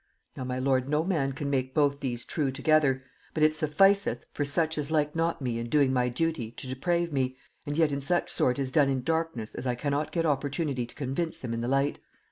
Now, my lord, no man can make both these true together; but it sufficeth for such as like not me in doing my duty to deprave me, and yet in such sort is done in darkness as I cannot get opportunity to convince them in the light.